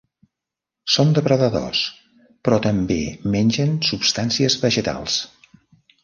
Són depredadors, però també mengen substàncies vegetals.